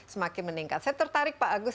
semakin meningkat saya tertarik pak agus